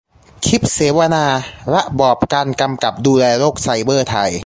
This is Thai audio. คลิปเสวนา : ระบอบการกำกับดูแลโลกไซเบอร์ไทย